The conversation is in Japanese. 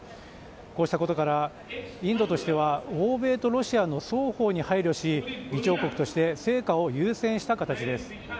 こうしたことからインドとしては欧米とロシアの双方に配慮し議長国として成果を優先した形です。